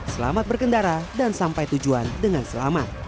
selamat berkendara dan sampai tujuan dengan selamat